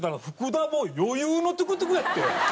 もう余裕のトゥクトゥクやって。